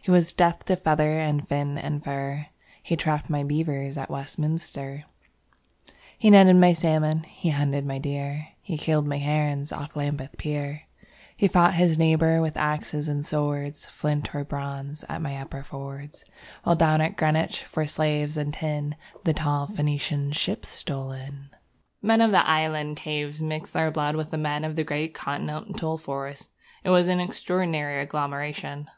He was death to feather and fin and fur, He trapped my beavers at Westminster, He netted my salmon, he hunted my deer, He killed my herons off Lambeth Pier; He fought his neighbour with axes and swords, Flint or bronze, at my upper fords, While down at Greenwich for slaves and tin The tall Phoenician ships stole in. Men of the island caves mixed their blood with men of the great continental forests. It was an extraordinary agglomeration.